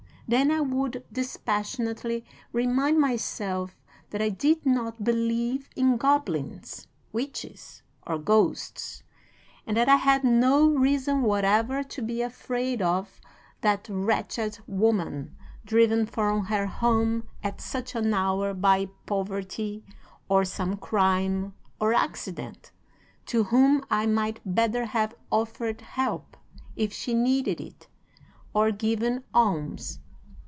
Then I would dispassionately remind myself that I did not believe in goblins, witches, or ghosts, and that I had no reason whatever to be afraid of that wretched woman driven from her home at such an hour by poverty, or some crime, or accident, to whom I might better have offered help, if she needed it, or given alms.